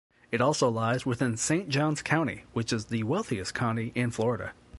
It also lies within Saint Johns County, which is the wealthiest county in Florida.